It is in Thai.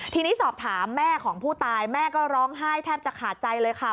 ทีนี้สอบถามแม่ของผู้ตายแม่ก็ร้องไห้แทบจะขาดใจเลยค่ะ